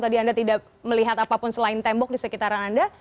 tadi anda tidak melihat apapun selain tembok di sekitaran anda